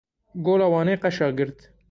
Gola Wanê qeşa girt.